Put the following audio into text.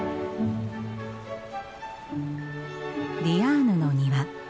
ディアーヌの庭。